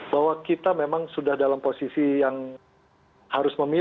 bahwa kita memang sudah dalam posisi yang harus memilih